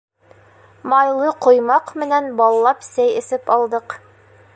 Майлы ҡоймаҡ менән баллап сәй эсеп алдыҡ.